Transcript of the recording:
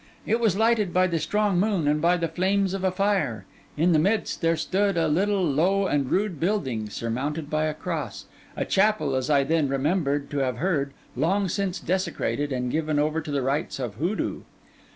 It was lighted by the strong moon and by the flames of a fire. In the midst, there stood a little low and rude building, surmounted by a cross: a chapel, as I then remembered to have heard, long since desecrated and given over to the rites of Hoodoo.